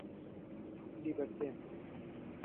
libertempo